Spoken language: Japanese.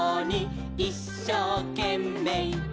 「いっしょうけんめい」